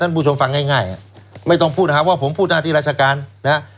ผู้ชมฟังง่ายไม่ต้องพูดนะครับว่าผมพูดหน้าที่ราชการนะฮะ